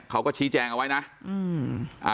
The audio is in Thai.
เขาก็ชี้แจ่งเอาไว้นะ